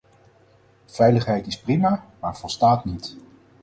Veiligheid is prima, maar volstaat niet.